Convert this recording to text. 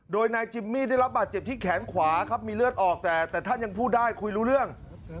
โดยนายจิมมี่ได้รับบาดเจ็บที่แขนขวาครับมีเลือดออกแต่แต่ท่านยังพูดได้คุยรู้เรื่อง